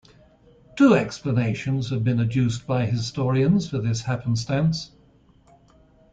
Two explanations have been adduced by historians for this happenstance.